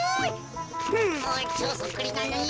もうちょうそっくりなのに。